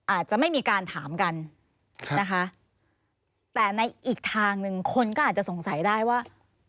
อาจจะไม่มีการถามกันนะคะแต่ในอีกทางหนึ่งคนก็อาจจะสงสัยได้ว่า